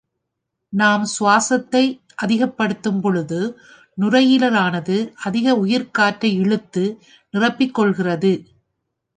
நாம் சுவாசத்தை அதிகப்படுத்தும் பொழுது நுரையீரலானது அதிக உயிர்க்காற்றை இழுத்து நிரப்பிக்கொள்கிறது.